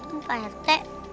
ini pak rt